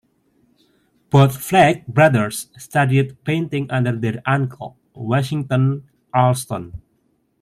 Both Flagg brothers studied painting under their uncle, Washington Allston.